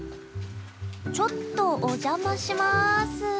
ちょっとお邪魔します。